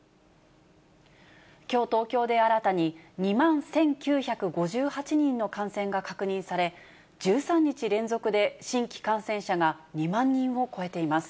きょう、東京で新たに２万１９５８人の感染が確認され、１３日連続で新規感染者が２万人を超えています。